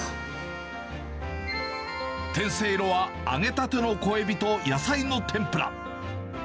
天せいろは、揚げたての小エビと野菜の天ぷら。